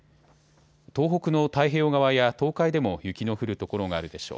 東北の太平洋側や東海でも雪の降る所があるでしょう。